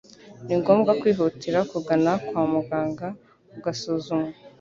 ni ngombwa kwihutira kugana kwa muganga ugasuzumwa